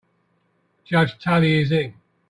Judge Tully is in.